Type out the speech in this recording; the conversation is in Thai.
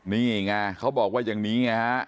นี่ไงเขาบอกว่าอย่างนี้ไงฮะ